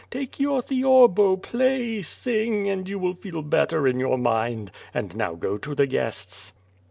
Take your theorbo, play, sing, and you will feel better in your mind, and now go to the guests."